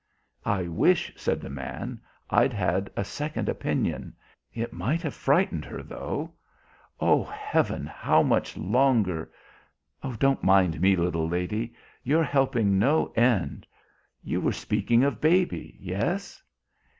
"I wish," said the man, "I'd had a second opinion. It might have frightened her though. Oh, heaven, how much longer! Don't mind me, little lady. You're helping no end. You were speaking of baby. Yes!"